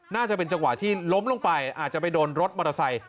น่าจะเป็นจังหวะที่ล้มลงไปอาจจะไปโดนรถมอเตอร์ไซค